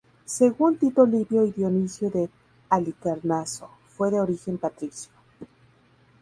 Según Tito Livio y Dionisio de Halicarnaso fue de origen patricio.